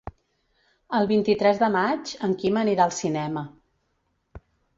El vint-i-tres de maig en Quim anirà al cinema.